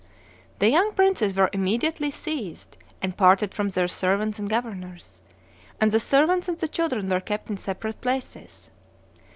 The young princes were immediately seized, and parted from their servants and governors; and the servants and the children were kept in separate places.